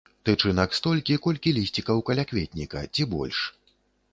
Тычынак столькі, колькі лісцікаў калякветніка ці больш.